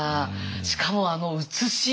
しかもあの写し。